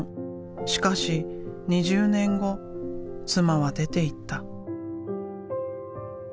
しかし２０年後妻は出ていった。